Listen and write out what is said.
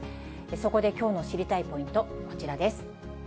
そこできょうの知りたいポイント、こちらです。